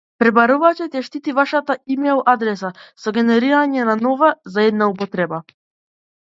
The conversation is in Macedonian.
Пребарувачот ја штити вашата имејл адреса со генерирање на нова за една употреба